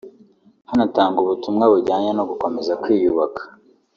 hanatangwa ubutumwa bujyanye no gukomeza kwiyubaka